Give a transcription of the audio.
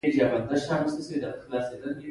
د هضم د ستونزې لپاره د معدې معاینه وکړئ